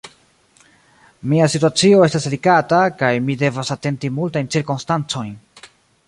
Mia situacio estas delikata, kaj mi devas atenti multajn cirkonstancojn.